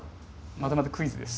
またまたクイズです。